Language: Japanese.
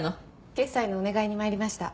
決裁のお願いに参りました。